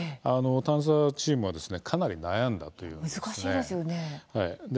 探査チームはかなり悩んだというんですね。